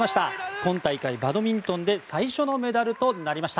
今大会バドミントンで最初のメダルとなりました。